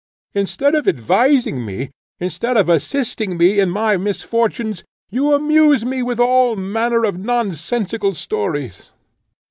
Instead of advising me, instead of assisting me in my misfortunes, you amuse me with all manner of nonsensical stories."